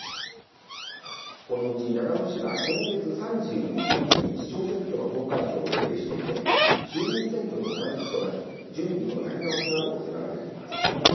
このうち長野市は今月３１日に市長選挙の投開票を予定していて衆議院選挙と同じ日となり準備のやり直しなどを迫られています。